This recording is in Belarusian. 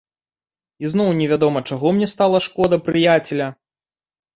І зноў невядома чаго мне стала шкода прыяцеля.